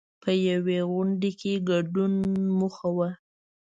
په یوې غونډې کې ګډون موخه وه.